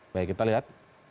baik kita lihat